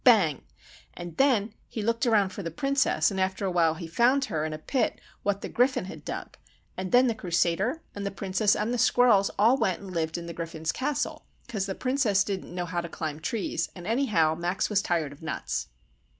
bang!! And then he looked around for the Princess, an' after a while he found her in a pit what the Griffin had dug. And then the Crusader, and the Princess, and the squirrels all went and lived in the Griffin's castle, 'cause the Princess didn't know how to climb trees, and anyhow Max was tired of nuts."